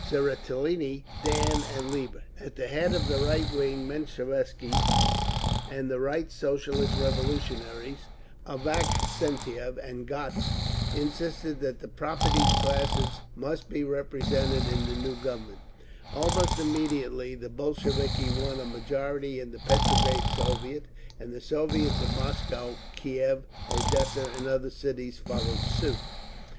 Tseretelli, Dan and Lieber, at the head of the right wing Mensheviki, and the right Socialist Revolutionaries under Avksentiev and Gotz, insisted that the propertied classes must be represented in the new Government. See Notes and Explanations. Almost immediately the Bolsheviki won a majority in the Petrograd Soviet, and the Soviets of Moscow, Kiev, Odessa and other cities followed suit.